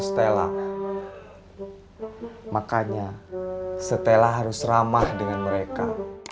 stella makanya stella harus ramah dengan mereka